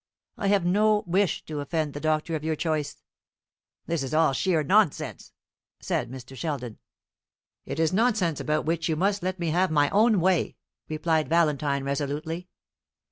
I have no wish to offend the doctor of your choice." "This is all sheer nonsense," said Mr. Sheldon. "It is nonsense about which you must let me have my own way," replied Valentine, resolutely.